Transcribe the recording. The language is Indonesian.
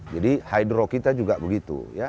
jadi hydro kita juga begitu